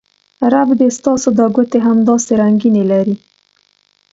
رب دې ستاسو دا ګوتې همداسې رنګینې لرې